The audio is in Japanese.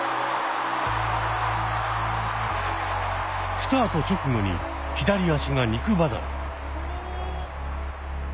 スタート直後に左脚が肉離れ。